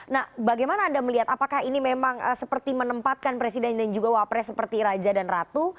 nah bagaimana anda melihat apakah ini memang seperti menempatkan presiden dan juga wapres seperti raja dan ratu